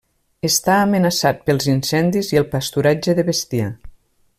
Està amenaçat pels incendis i el pasturatge de bestiar.